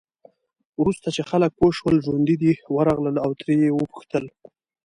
وروسته چې خلک پوه شول ژوندي دی، ورغلل او ترې یې وپوښتل.